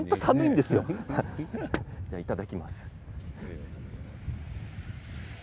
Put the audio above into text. ではいただきます。